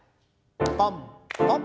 ポンポン。